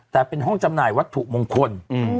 แต่เป็นห้องจำหน่ายวัตถุมงคล